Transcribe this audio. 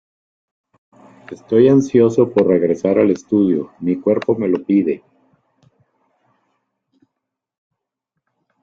Estoy ansiosa por regresar al estudio, mi cuerpo me lo pide".